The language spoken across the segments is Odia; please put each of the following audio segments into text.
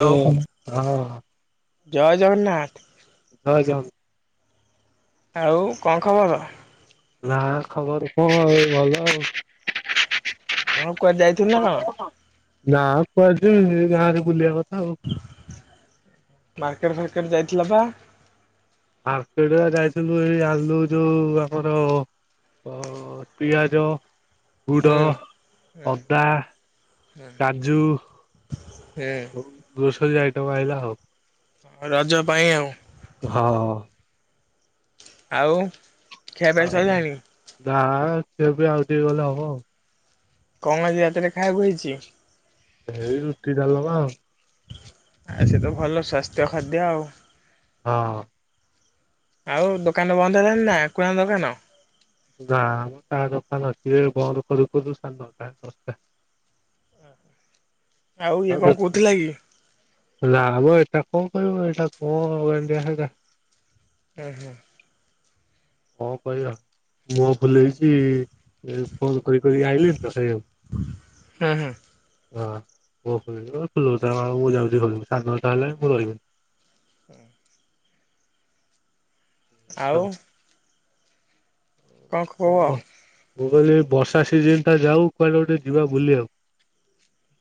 ହ୍ୟାଲୋ [unintelligible] ହଁ। ଜୟ ଜଗନ୍ନାଥ। ଜୟ ଜଗ ଆଉ କଣ ଖବର? ନା ଖବର କଣ ଆଉ ଭଲ ଆଉ। ହଁ କୁଆଡେ ଯାଇଥିଲୁ ନା କଣ? ନାଁ କୁଆଡ଼େ ଯିବି ଏଇ ଗାଁରେ ବୁଲିବା କଥା। ଆଉ। ମାର୍କେଟ ଫାର୍କେ କେବେ ଯାଇଥିଲ ବା? ମାର୍କେଟ ଯାଇଥିଲୁ ଏଇ ଆଲୁ ଯୋଉ ଆମର ଅ ପିଆଜ ଗୁଡ, ହୁଁ ହୁଁ ଅଦା, ହୁଁ କାଜୁ ହୁଁ ଗ୍ରୋସ [unintelligible] ଆଇଟମ ଆଇଲା ଆଉ। ହଁ ରଜ ପାଇଁ ଆଉ। ହଁ ହଁ। ଆଉ। ଖିଆ ପିଆ [unintelligible] ସଇଲାଣି? ନା ସେ ବି ଆଉ ଟିକେ ଗଲେ ହବ ଆଉ। କଣ ଆଜି ରାତିରେ ଖାଇବାକୁ ହେଇଛି? ଏଇ ରୁଟି ଡାଲମା ଆଉ। ଆ ସେ ତ ଭଲ ସ୍ୱାସ୍ଥ୍ୟ ଖାଦ୍ୟ ଆଉ। ହଁ। ଆଉ ଦୋକାନ ବନ୍ଦ ହେଲାଣି ନା [unintelligible] ଦୋକାନ। ନା ମୁଁ ତା ଦୋକାନ ଅଛି ଯେ ବନ୍ଦ କରୁ କରୁ ସାଢ଼େ ନଅଟା। ଆଉ ଇଏ କଣ କହୁଥିଲା କି? ନା ମ ଏଇଟା କଣ କହିବ ଏଇଟା କଣ କା ହୁଁ ହୁଁ। କଣ କହିବ, ମୁହଁ ଫୁଲେଇଚି। ଫୋନ କରି କରି ଆଇିଲିଣି ତ। ହଁ [unintelligible] ହୁଁ ହୁଁ ହଁ ମୁଁ ଯାଉଛି ହଲ୍ ସାଢେ଼ ନଅଟା ହେଲାଣି ମୁଁ ରହିବିନି। [inaudible] ଆଉ। କଣ ଓହୋ, [unintelligible] ମୁଁ କହିଲି ବର୍ଷା ସିଜିନଟା ଯାଉ କୁଆଡେ ଗୋଟେ ଯିବା ବୁଲିଆକୁ।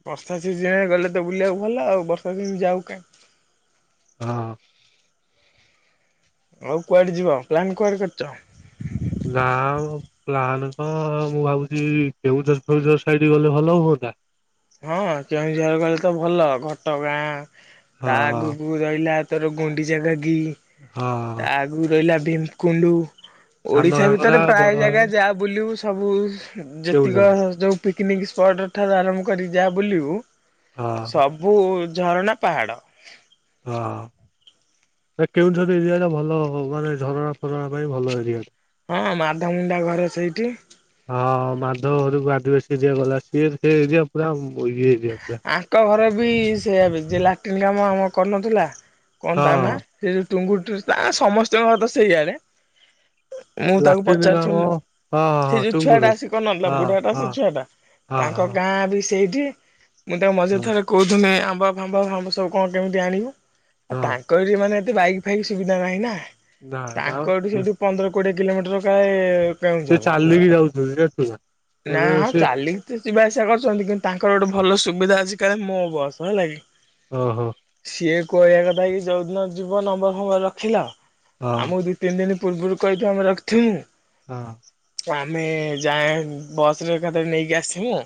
ବର୍ଷା ସିଜିନରେ ଗଲେ ତ ବୁଲିବାକୁ ଭଲ ଆଉ ବର୍ଷାସିଜିନ ଯାଉ କାଇଁ। ହଁ। ଆଉ କୁଆଡେ ଯିବ ପ୍ଲାନ୍ କୁଆଡେ କରିଚ? ନା ବ ପ୍ଲାନ କଣ ମୁଁ ଭାବୁଛି କେଉଁଝର ଫେଉଁଝର ସାଇଡ ଗଲେ ଭଲ ହୁଅନ୍ତା। ହଁ କେଉଁଝର ଗଲେ ତ ଭଲ ଘଟ ଗାଁ। ତା ହଁ ଆଗକୁ ରହିଲା ତୋର ଗୁଣ୍ଡିଚା ଘାଗି [unintelligible] ହଁ ତା ଆଗକୁ ରହିଲା ଭୀମ୍ କୁଣ୍ଡୁ। ସାନ ଓଡିଶା ଘାଗରା ଭିତରେ ବଡ ପ୍ରାୟ ଜାଗା ଘାଗରା ଯାଆ ବୁଲିବୁ ସବୁ କେଉଁଝର ଯେତିକ ଯୋଉ ପିକନିକ୍ ସ୍ପଟଠାରୁ ଆରମ୍ଭ କରି ଯା ବୁଲିବୁ। ହଁ ସବୁ ଏମ୍ ଝରଣା ପାହାଡ଼। ହଁ ଏ କେଉଁଝର ଏରିଆଟା ଭଲ ମାନେ ଝରଣା ଫରଣା ପାଇଁ ଭଲ ଏରିଆଟା। ହଁ ମାଧ ମୁୁଣ୍ଡା ଘରେ ସେଇଠି। ହଁ ମାଧ ଘରକୁ ଆଦିବାସି ଦିଆ ଗଲା ସିଏ ସେ ଏରିଆ ପୁରା ମ୍ ଇଏ। ଏରିଆ ପୁରା। ଆଙ୍କ ଘର ବି ସେୟା ବେ ଯେ ଲାଟି [unintelligible] କାମ ଆମ କରୁନଥିଲା। କଣ ତା ନା ହଁ ଫେରସ୍ ଟୁଙ୍ଗୁୁ [unintelligible] ଆ ସମସ୍ତିଙ୍କ ଘର ତ ସେଇଆଡେ। ମୁଁ ତାକୁ ଲାଟିନ କାମ ପଚାରୁଥିଲି ହଁ ସେ ହଁ ଯୋଉ ଛୁଆଟା ଟୁଙ୍ଗୁରୁ ଆସି କରୁ ନଥିଲା ହଁ ବୁଢାଟା ସେ ହଁ। ଛୁଆଟା ହଁ ତାଙ୍କ ହଁ ଗାଁ ବି ଏଇଠି। ମୁଁ ତାକୁ ମଝିରେ ହଁ ଥରେ କହୁଥିଲି ଆମ୍ [unintelligible] ଆମ୍ବ ଫାମ୍ବ ସବୁ କଣ କେମିତି ଆଣିବୁ? ଆ ହଁ ତାଙ୍କ ଏଠି ମାନେ ବାଇକ୍ ଫାଇକ ସୁବିଧା ନାହିଁ ନା। ନା ତାଙ୍କ ଏଠୁ ନା ସେଇଠୁ ପନ୍ଦର କୋଡିଏ କିିଲୋମିଟର କାୟେ ସେ କେଁଉଝର ଚାଲିକି ଯାଉଛନ୍ତି ଜାଣିଛୁ ନା ହଁ ସେ ଚାଲିକି ତ ଯିବା ଆସିବା କରଛନ୍ତି କିନ୍ତୁ ତାଙ୍କର ଗୋଟେ ଭଲ ସୁୁ ବିଧା ଅଛି କାଳେ ମୋ ବସ ହେଲା କି? ଓହୋ। ସିଏ କହିବା କଥା କି ଯୋଉ ଦିନ ଯିବ ନମ୍ବର ଫମ୍ବର ରଖିଲ ହଁ ଆମୁକୁ ଦି ତିନି ଦିନି ପୂର୍ବରୁ କହିିଥିବ ଆମେ ରଖିଥିମୁ ହଁ। ଆମେ ଯାଏଁ ବସରେ ଏକାଥରେ ନେଇକି ଆସିମି ଆଉ।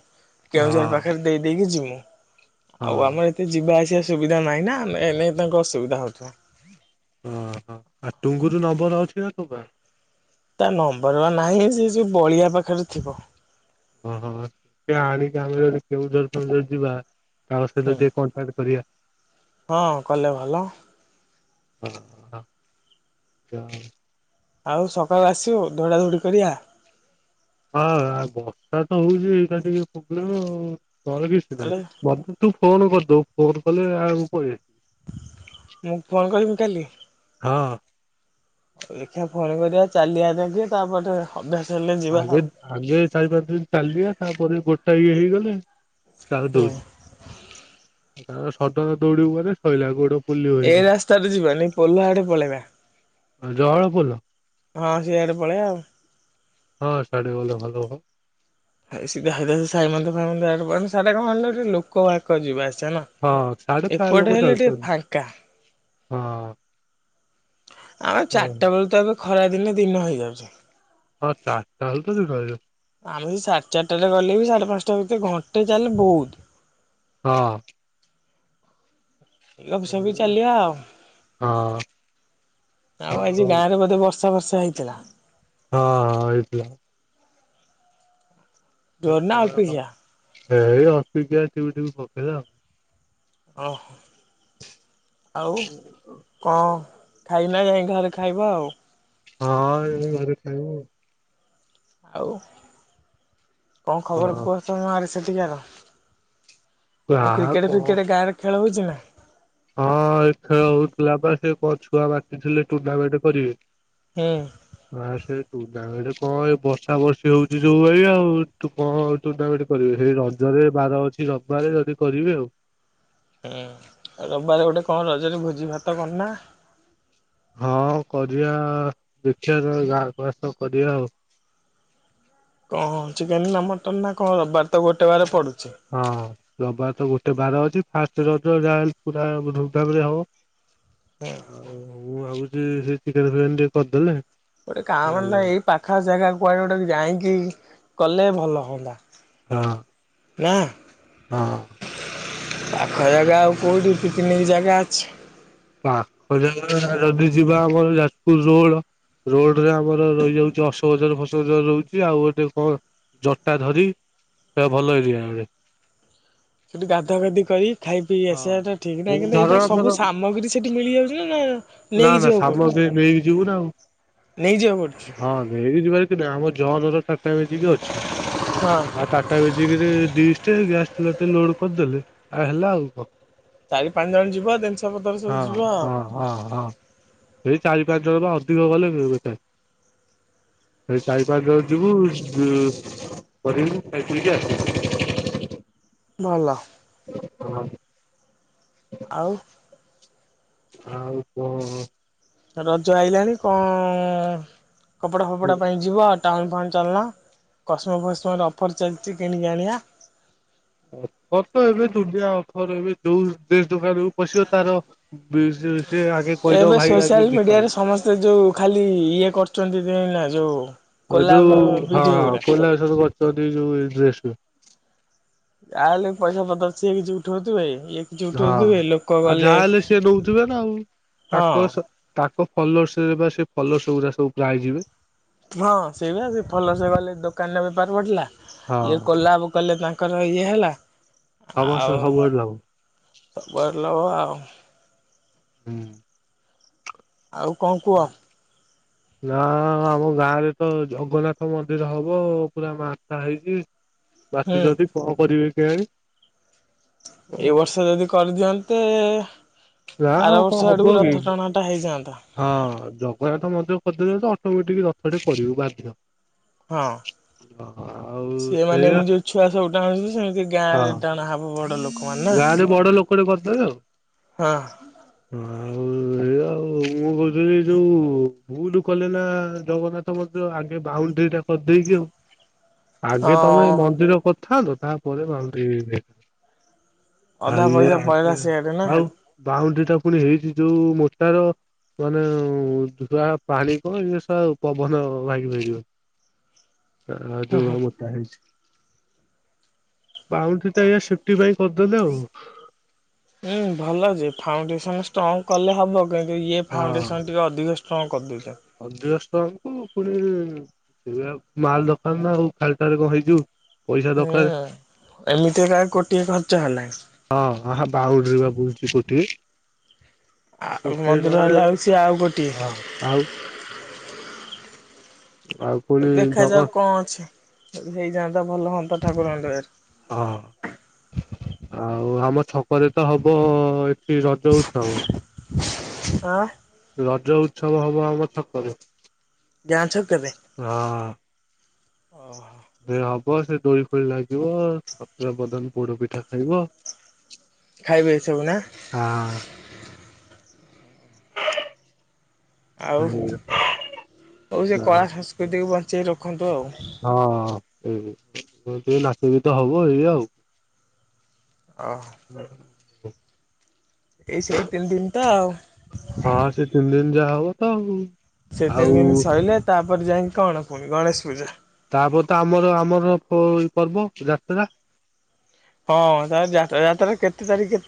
ହଁ କେଉଁଝର ପାଖରେ ଦେଇ ଦେଇକି ଯି ହୁଁ। ଆଉ ହଁ। ଆମ ଏତେ ଯିବା ଆସିବା ସୁବିଧା ନାହିଁ ନାଁ ଆମେ ଏ ହେଲେ ତାଙ୍କୁ ଅସୁବିଧା ହଉଥୁଲା। ଓହୋ ଆ ଟୁଙ୍ଗୁରୁ ନମ୍ବର ଅଛି ନାଁ ତୋ ପାଖରେ? ତା ନମ୍ବର ପା ନାହିଁ ସେ ଯୋଉ ବଳିଆ ପାଖରେ ଥିବ। ଓହୋ ଟିକେ ଆଣିକି ଆମେ ଯଦି କେଉଁଝର ଫେଉଁଝର ଯିବା ତାଙ୍କ ସହିତ ହୁଁ ଟିକେ କଣ୍ଟାକ୍ଟ କରିବା। ହଁ କଲେ ଭଲ। ହଁ। ଜ ଆଉ ସକାଳୁ ଆସିବୁ ଧୌଡା ଧୋଡି କରିବା। ହଁ ଆଉ ବର୍ଷା ତ ହୋଉଚି ଏଇଟା ଟିକେ ପୋବଲେମ୍ ଆଉ। ମୋର କିଛି ନାହିଁ ନହେଲେ ମତେ ତୁ ଫୋନ କ ତୋ ଫୋନ୍ କଲେ ଆଉ ମୁଁ କହିବେ ମୁଁ ଫୋନ୍ କରିବି କାଲି। ହଁ। ଆଉ ଦେଖିବା ଫୋନ କରିଆ ଚାଲିିଆ ଯାଇଁକି ତାପଟେ ଆଗେରେ ଆଗେ ଚାରି ପାଞ୍ଚ ଦିନ ଚାଲିବା ତାପରେ ଗୋଟା ଇଏ ହେଇଗଲେ ହୁଁ ତାପରେ ହୁଁ ଦୌ କାରଣ ସଡନ ଦୌଡିବୁ ମାନେ ସଇଲା ଗୋଡ଼ ଏ ରାସ୍ତାରେ ଯିବାନି ପୋଲ ଆଡ଼େ ପଳେଇବା। ଆ ଜଅଳ ପୋଲ? ହଁ ସେଇଆଡ଼େ ପଳେଇଆ ଆଉ। ହଁ ସାଡେ ଗଲେ ଭଲ ହବ ସେ ସିଧା ସିଧା ସାଇ ମନ୍ଦିର ଫାଇ ମନ୍ଦିର ଆଡେ ପଳାନ୍ତି ସ୍ୟାଡ଼େ କଣ ହେଲେ ଟିକେ ଲୋକ ବାକ ଯିବା ଆସ୍ ଚେ ନା ହଁ ସାଡେ ପ୍ରାୟ ଲୋକ ଏପଟେ ହେଲେ ଟିକେ ଯାଉଛନ୍ତି। ଫାଙ୍କା। ହଁ। ଆମେ ହଁ ଚାରଟା ବେଳୁ ତ ଏବେ ଖରା ଦିନେ ଦିନ ହେଇଯାଉଚି। ହଁ ଚାରଟା ଅଳୁ ତ ଦିନ ହେଇଯାଉଚି। ଆମେ ସାଢେ ଚାରିଟା ବେଳେ ଗଲେ ବି ସାଢେ ପାଞ୍ଚଟା ଭିତରେ ଘଣ୍ଟେ ଚାଲ ବହୁତ। ହଁ। ଏ ଗପ ସପ ହଁ ହେଇ ହଁ ଚାଲିବା ଆଉ ଆଉ ଆଜି ଗାଁରେ ବୋଧେ ବ ବର୍ଷା ଫର୍ଷା ହେଇଥିଲା? ହଁ ହଁ ହେଇଥିଲା। ଜୋରେ ନା ଅଳ୍ପ କିଆ? ଏଇ ଅଳ୍ପିକିଆ ଟିପି ଟିପି ପକେଇଲା ଆଉ। ଓହୋ ଆଉ କଣ ଖାଇନା ଯାଇ ଘରେ ଖାଇବ ଆଉ। ହଁ ଏ ଘର ଖ ଆଉ କଣ ଖବର ହଁ କୁହ ତୁମ ଆର ସେଠିକାର- କା ଆଉ କ୍ରିକେଟ କଣ ଫ୍ରିକେଟ ଗାଁରେ ଖେଳ ହଉଛି [unintelligible] ହଁ ଖେଳ ହଉଥିଲା ବା ସେ କଣ ଛୁଆ ବାଟିଥିଲେ ଟୁର୍ଣ୍ଣାମେଣ୍ଟ କରିବେ ହୁଁ ହ ସେ ତୁ କଣ ଏଇ ବର୍ଷା ବର୍ଷି ହଉଛି ଯଉ ଭାଇ ଆଉ କଣ ଉ ଟୁଣ୍ଣାମେଣ୍ଟ କରିବେ ସେଇ ରଜରେ ବାର ଅଛି ରବିବାରେ ଯଦି କରିବେ ଆଉ ହୁଁ ରବିବାର ଗୋଟେ କଣ ରଜରେ ଭୋଜି ଭାତ କରନା ହଁ କରିବା ଦେଖିବା ଗାଁକୁ ଆସ କରିବା ଆଉ କଣ ଚିକେନ୍ ନା ମଟନ୍ ନା କଣ? ତ ଗୋଟେ ବାର ପଡୁଛି। ହଁ ରବାର ତ ଗୋଟେ ବାର ଅଛି ଫାଷ୍ଟ ରଜ ଯା ହେଉ ପୁରା ଧୁମଧାମ ରେ ହଉ ହଁ ଆଉ ମୁଁ ହଉ ହୁଁ ହୁଁ ସେ ଚିକେନ ଫିକେନ ଟିକେ କରିଦେଲେ ଗୋଟେ କାଁ ଆଉ ଭଲ ମାନ ଏଇ ହୁଅନ୍ତା। ପାଖା ଜାଗା କୁଆଡେ ଗୋଟେ ଯାଇକି କଲେ ଭଲ ହୁଅନ୍ତା ହଁ। ନା। ହଁ। ପାଖ ଜାଗା ଆଉ କେଉଁଠି ପିକନିକ୍ ଜାଗା ଅଛି? ପାଖ ଜାଗା ଯଦି ଯିବା ଆମର ଯାଜପୁର ରୋଡ ରୋଡରେ ଆମର ରହିଯାଉଛି ଅଶୋକଝର ଫସକଜର ରହୁଛି ଆଉ ଗଟେ କଣ ଜଟାଧରି ଭଲ ଏରିଆରେ ସେଠି ଗାଧାଗାଧି କରି ଖାଇ ପିସଆ ଠିକ ନାହିଁ କିନ୍ତୁ ଏଇ କଣ ଝରଣା ଫର ସବୁ ସାମଗ୍ରୀ ସେଠି ମିଳିଯାଉଛି ନା? ହୁଁ। ନା ନା ସାମ ସେ ନେଇକି ଯିବୁ ନା ନେଇଯିବାକୁ ପଡୁଛି ଆଉ ହଁ ନେଇକି ଯିବାର ଆମ ଜର ତା ଟାଟା ମେଜିକ ଅଛି ହଁ ଆ ଟାଟା ମେଜିକରେ ଡ଼ିଶ ଗ୍ୟାସଚୁଲାଟେ ଲୋଡ କରିଦେଲେ ଆଉ ହେଲା ଆଉ କ ଚାରି ପାଞ୍ଚ ଜଣ ଯିବ ଦିନିସ ପତର ସବୁ ହଁ ଯିବ ଆଉ ହଁ ହଁ ହଁ ସେଇ ଚାରିପାଞ୍ଚ ଜଣ ବା ଅଧିକ ଗଲେ ବେକାର, ସେ ଚାରିପାଞ୍ଚ ଜଣ ଯିବୁ କରିବୁ ଖାଇ ପିଇକି ଆସିବୁ। ଭଲ। [unintelligible] ଆଉ। ଆଉ କଣ? ରଜ ଆଇଲାଣି କଣ କପଡା ଫପଡା ପାଇଁ ଯିବା ଟାଉନ ଫାଉଣ୍ଡ ଚାଲୁନ କସମ ଫସମରେ ଅଫର୍ ଚାଲିଛି କିଣିକି ଆଣିଆ। ଅଫର ତ ଏବେ ଦୁନିଆ ଅଫର ଏବେ ଯୋଉ ଦେ ଦୋକାନୁ ପଶିବ ତାର ସେ ଆଗେ କହିଦବ ଏବେ ଭାଇ ସୋସିଆଲ ଆଗେ ମିଡିଆରେ ଡିସକାଉଣ୍ଟ। ସମସ୍ତେ ଯୋଉ ଖାଲି ଇଏ [unintelligible] ଯୋଉ ଏ କୋଲାବ ଯୋଉ ହଁ ଭିଡିଓ ହଁ ଗୁରା କୋଳବେସନ କ କରି ଯୋଉ ଡ୍ରେସ୍ ଗୁଡା। ଯାହା ହେଲେ ବି ପଇସାପତରସେ କିଛି ଉଠୁନଥିବେ? ହଁ ଆଉ ଯାହା ହେଲେ ସିଏ ନଉଥିବେ ନା ଆଉ ହଁ ତାଙ୍କ ତାଙ୍କ ଫଲୋର୍ସରେ ବା ସେ ଫଲୋସ ଗୁଡା ସବୁ ପ୍ରୟେ ଯିବେ। ହଁ ସେଇ ବା ଫଲୋଶ୍ ଗଲେ ଦୋକାନ ର ବେପାର ବଢ଼ିଲା ଇଏ ହଁ। କଲାବ କଲେ ତାଙ୍କ ତାଙ୍କର ଇଏ ହେଲା। ସମସ୍ତେ ସବୁଆଡେ ଲାଭ ଆଉ [unintelligible] ଆଉ ହୁଁ। ଆଉ କଣ କୁହ? ନା ଆମ ଗାଁରେ ତ ଜଗନ୍ନାଥ ମନ୍ଦିର ହବ ପୁରା ମାସ ହେଇଛି। ହୁଁ। ବାଚ ଯଦି କଣ କରିବେ କେଜାଣି ଏଇ ବର୍ଷ ଯଦି କରିଦିଅନ୍ତେ ଯ ହଉ ଆର ବର୍ଷ କଣ ଆଡକୁ ହବ କି ରଥ ଟଣାଟା ହେଇଯାଆନ୍ତା। ହଁ ଜଗନ୍ନାଥ ମଧ୍ୟ ଅଟୋମେଟିକ ରଥ ଟେ କରିବୁ ବାଧ୍ୟ। ହଁ ଆଉ ସେମାନେ ସେଇଆ ଏମିତି ଯୋଉ ଛୁଆ ସବୁ ଟାଣୁଛନ୍ତି ସେମିତି ଗାଁ ରେ ଟାଣ ହବ ବଡ ଲୋକ ଗାଁଡ ବଡ ଲୋକଟେ କରିଦେବେ ଆଉ। ହଁ ହ ଆଉ ଏୟା ଆଉ ମୁଁ କହୁଥିଲି ଯଉ ଭୁ ଭୁଲ କଲେ ନା ଜଗନ୍ନାଥ ମନ୍ଦିର ଆଗେ ବାଉଣ୍ଡରୀ ଟା କରିଦେଇକି ଆଉ ଆଗେ ତମେ ହଁ ମନ୍ଦିର ପ ଥାନ୍ତ ତା ପରେ ବାଉଣ୍ଡରୀ ଏ ଆ ଅଧା ଇଏ ପଇସା ପଳେଇଲା ଆଗେ, ସିଆଡେ ନା। ଆଉ ବାଉଣ୍ଡ ତପୁଣି ହେଇଚି ଯୋଉ ମୋଟାର। ମାନେ ଯୋଆ ପାଣି କଣ ଇଏସା ପବନ ଭାଙ୍ଗିପାରିବନି। ହ ଆ ଯଉ ମୋଟା ହେଇଛି। ବାଉଣ୍ଡ୍ରୀ କାଇଁ ଆସ୍ ଥିପାଇଁ କରିଦେଲେ ଆଉ। ହୁଁ ଭଲ ଯେ ଫାଉଣ୍ଡେସନ ଷ୍ଟ୍ରଙ୍ଗ କଲେ ହବ। କିନ୍ତୁ ଇଏ ହଁ ଫାଉଣ୍ଡେସନ ଟିକେ ଅଧିକ ଷ୍ ହଁ କରିଦେଇ ଅଧିକ ଷ୍ଟ୍ରଙ୍ଗଙ୍କୁ ପୁଣି ସେଆ ମାଲ ଦରକାର ନା ଆଉ ଖାଲିଟାରେ କଣ ହେଇଯିବ କି? ହୁଁ ଏମିତିରେ କାଇଁ କୋଟିଏ ଖର୍ଚ୍ଚ ହେଲା। ହଁ ବାଉଣ୍ଡ୍ରି ବା ବୁଲଚି କୋଟିଏ। ଆଉ କୋଟିଏ ମନ୍ଦିର ଟଙ୍କାରେ ହେଲା ହଉ ସିଏ ଆଉ କୋଟିଏ। ହଁ ଆଉ ଆଉ ପୁଣି ଜଗ ଦେଖାଯାଉ କଣ ଅଛି। ଯଦି ହେଇଯାଆନ୍ତା ଭଲ ହୁଅନ୍ତା ଠାକୁରଙ୍କ ହଁ ଦୟାରୁ। ଆଉ ଆମ ଛକରେ ତ ହବ ଏଠି ରଜ ଉତ୍ସବ। ଆଁ। ରଜ ଉତ୍ସବ ହବ ଆମ ଛକରେ। ଡ୍ୟାନ୍ସ ହ କେବେ? ହଁ। ଓହୋ। ସେ ହବ ସେ ଦୋଳି ଫୋଳି ଲାଗିବ, ସତୁର ବଦନ ପୋଡ ପିଠା ଖାଇବ। ଖାଇବେ ସବୁ ନା। ଆଉ ହଉ ସେ ହଁ। କଳା ସଂସ୍କୃତିକୁ ବ ଞ୍ଚେଇ ର ଖନ୍ତୁ ଆଉ। ହଁ ଏ ଟିକେ ନାଚ ଗୀତ ହବ ଏଇ ଆଉ। ଓହ [inaudible] [inaudible] ଏଇ ସେଇ ତିନି ଦିନ ତ ଆଉ। ହଁ ସେ ତିନି ଦିନ ଯାହା ହବ ତ ଆଉ। ସେ ତିନି ଆଉ ଦିନ ସଇଲେ ତା ପରେ ଯାଇ କଣ ପୁଣି ଗଣେଶ ପୂଜା। ତାପରେ ତ ଆମର ଆମର ପ ପର୍ବ ଯାତ୍ରା। ହଁ ତା ଯା ଯାତ୍ରା କେତେ ତାରିଖ କେ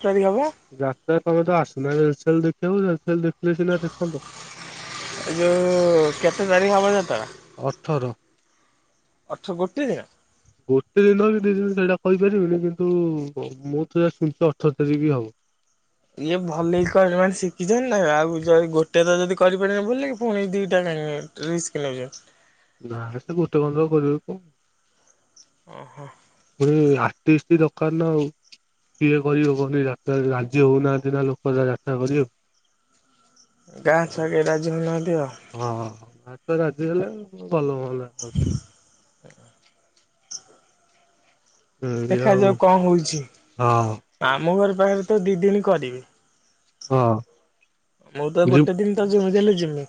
ଯାତ୍ରା ତମେ ତ ଆସୁନା ରେଲସେଲ ଦେକ୍ [inaudible] ଥିଲେ ସିନା ଦେଖନ୍ତୁ। ଏ ଯୋଉ କେତେ ତାରିଖ ହେବ। ଅଠର ଅଠର ଗୋଟେ ଦିନ ଗୋଟେ ଦିନ ଦି [inaudible] ସେଇଟା। କହିପାରିବିନି କିନ୍ତୁ ମୁଁ ତ ଯ ଶୁଣିଛି ଅଠର ତାରିଖି ଆଉ ଇଏ ଭଲ ହେଇ ମାନେ ଶିଖିଛନ୍ତି ନା ଆଉ ଗୋଟେ ତ ଯଦି କରିପାରିବେ ବ ପୁଣି ଦିଟା କାହିଁ ରିସ୍କ ନେଉଛନ୍ତି। ନା ସେ ଗୋଟେ କଧ କରିବେ କଣ। ଓ ହୋ ଏଇ ଆର୍ଟିଷ୍ଟ ଦରକାର ନା ଆଉ କିଏ କର କନି ଯାତ୍ରା ରାଜି ହଉନାହାନ୍ତି ନା ଲୋକ ଯାତ୍ରା କରିବାକୁ। ଡ୍ୟାସପାଇଁ କେହି ରାଜି ହଉନାହାନ୍ତି। ଆଉ ହଁ [inaudible] ବୁଝି ହେଲେ। ଭଲ ହୁଅନ୍ତା। ଏଇ ଆଉ ଦେଖାଯାଉ କଣ ହଉଛି। ହଁ ଆମ ଘର ଯାହା ହେଲେ ଵି ଦି ଦିନି କରିବେ ହଁ ମୁଁ ତ ଯୁ ଗୋଟେ ଦିନ ତ ଯେମି ଜିମି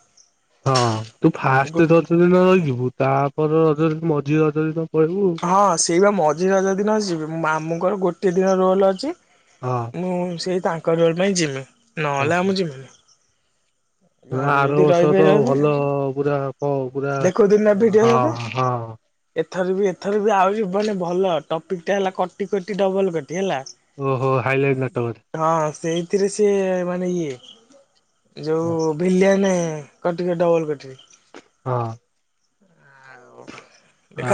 ହଁ ତୁ ଫାଷ୍ଟ ରଜ ଦିନ ଯିବୁ। ତା ରଜରେ ମଝି ରଜରେ ତ ହଁ ସେଇ ବା ମଝିରେ ରଜ ଦିିନ ଯିବେ। ଆମୁଙ୍କର ଗୋଟେ ଗୋଟେ ଦିନ ରୋଲ ଅଛି ହଁ ମୁଁ ସେଇ ତାଙ୍କ ରୋଲ ପାଇଁ ଯିମି ନଲେ ଆ ଓହୋ ମୁଁ ଜିମିନି। ନା ଆର ବର୍ଷ ତ ରହିବେ ଭଲ ପୁରା କ ପୁରା ଦେଖୁଥିଲୁ ନା ଭିଡିଓ ହଁ ଏବେ ହଁ। ଏଥର ବି ଏଥର ବି ଆହୁରି ମାନେ ଭଲ ଟପିକ୍ ଟା ହେଲା କଟି କଟି ଡବଲ କଟି। ହେଲା। ଓହୋ ହାଇ ଲାଇଟ୍ ନାଟକ ଟେ। ହଁ ସେଇଥିରେ ସେ ମାନେ ଇଏ। ହଁ ଯୋଉଁ ନାଁ କଟି କଟି ଡବଲ କଟି। ହଁ।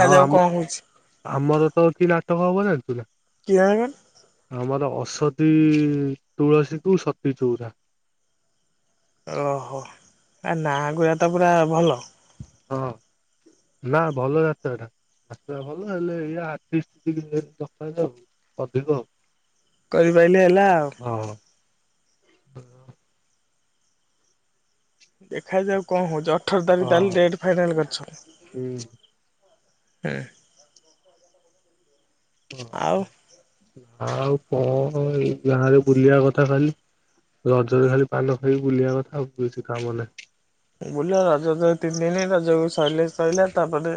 ଆଉ ଆମ କଣ ହଉଛି ଆମର ତ କି ନାଟକ ହବ ଯେ ତୁ ଯା। କି [unintelligible] ଆମର ଅସତୀ ତୁଳସୀକୁୁ ସତୀ ଚଉରା। ଓହୋ ଆ ନା ଗୁରା ତ ପୁରା ଭଲ। ହଁ ନା ଭଲ ଯାତ୍ରା ଟା। ଯାତ୍ରା ଭଲ ହେଲେ ଇଏ ଆର୍ଟିଷ୍ଟ ଟିକେ ଦରକାର ଆଉ ଅଧିକ। କରିପାରିଲେ ହେଲା ଆଉ। ହଁ। ଦେଖା ଯାଉ କଣ ହଉଜ ଅଠର ହଁ। ତାରିଖ ତାଲେ ଡେଟ ଫାଇନାଲ୍ କରିଛ। ହୁଁ। ହୁଁ। ଆଉ ଆଉ କଣ? ହଁ ଏଇ ଗାଁ ରେ ବୁଲିବା କଥା ଖାଲି। ରଜରେ ଖାଲି ପାନ ଖାଇକି ବୁଲିବା କଥା ଆଉ କିଛି କାମ ନାହିଁ। ବୁଲ ରଜା ତିନି ଦିନି ରଜାକୁ ସରିଲେ ସରିଲା ତାପରେ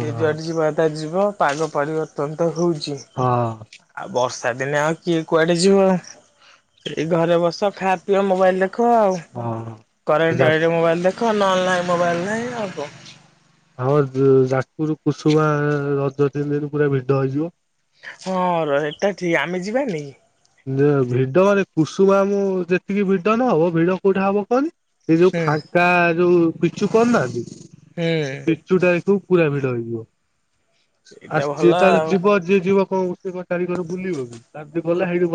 ଯିଏ ଯୁଆଡେ ଯିବା ଆ ଯିବ। ହଁ ପାଗ ପରିବର୍ତ୍ତନ ତ ହଉଚି। ଆଉ ବର୍ଷ ସେଦିନେ ଆଉ କିଏ କୁଆଡେ ଯିବ? ଏ ଘରେ ବସ ଖା ପିଅ ମୋବାଇଲ ଦେ ହଁ। ଯା କରେଣ୍ଟଇ ମୋବାଇଲ ଦେଖ ନଲାଇ ମୋବାଇଲ ନାଇଁ ଆଉ କ ଆମ ଯ ଯାଜପୁର କୁସୁମା ରଜ ତିନି ଦିନ ପୁରା ଭିଡ ହେଇଯିବ। ହଁ ର ଏଟ ଠିକ ଆମେ ଯିବାନିକି? ଯେ ଭିଡ ମାନେ କୁସୁମାମୁ ଯେତିକି ଭିଡ଼ ନହବ, ଭିଡ଼ କୋଉଟା ହବ କହନି। ସେ ଯଉ ହୁଁ ଫାଙ୍କା ଯଉ ପିଛୁ କହଣ ନାଜି ହୁଁ ପିଚୁ ଟା ତ ପୁରା ଭିଡ ହେଇଯିବ। ଆ ସେଇଟା ଭଲ ଯିଏ ତାର ଆଉ। ଯିବ ଯିଏ ଯିବ। କଣ ସେ ଚାରି ଘର ବୁଲିବ କି, ତାରଦ ଗଲା ହେଇ ଯଉ